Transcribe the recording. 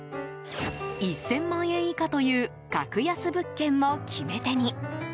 １０００万円以下という格安物件も決め手に。